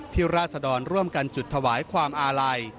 ราศดรร่วมกันจุดถวายความอาลัย